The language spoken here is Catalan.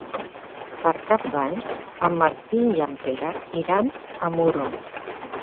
Per Cap d'Any en Martí i en Pere iran a Muro.